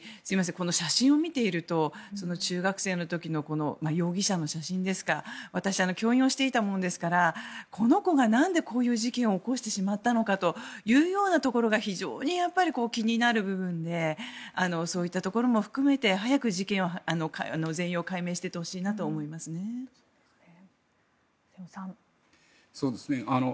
この写真を見ていると中学生の時の容疑者の写真ですか私、教員をしていたものですからこの子がなんでこういう事件を起こしてしまったのかというようなところが非常に気になる部分でそういったところも含めて早く事件の全容を解明していってほしいなと思いますね。